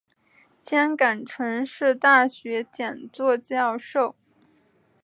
香港城市大学讲座教授。